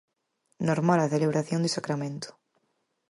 Normal a celebración de Sacramento.